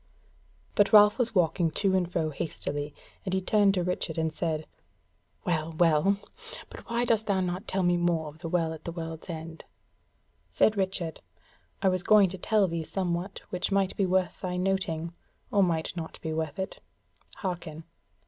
But Ralph was walking to and fro hastily, and he turned to Richard and said: "Well, well! but why dost thou not tell me more of the Well at the World's End?" Said Richard: "I was going to tell thee somewhat which might be worth thy noting; or might not be worth it: hearken!